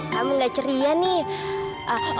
kamu nggak ceria nih